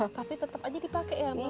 tapi tetap aja dipakai ya mas